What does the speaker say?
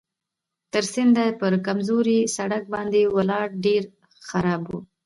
تر سینده پر کمزوري سړک باندې ولاړم چې ډېر خراب و.